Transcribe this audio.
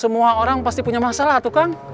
semua orang pasti punya masalah tuh kang